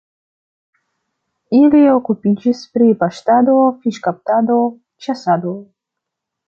Ili okupiĝis pri paŝtado, fiŝkaptado, ĉasado.